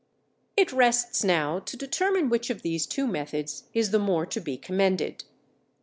It rests now to determine which of these two methods is the more to be commended.